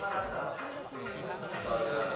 もうさあ皆さん